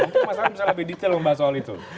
untuk mas awin bisa lebih detail membahas soal itu